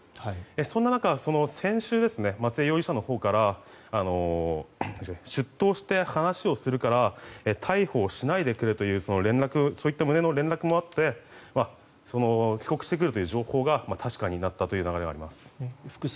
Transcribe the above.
そんな中、先週松江容疑者のほうから出頭して話をするから逮捕しないでくれというそういった旨の連絡もあって帰国してくるという情報が確かになったという流れがあります。